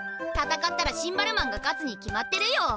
たたかったらシンバルマンが勝つに決まってるよ。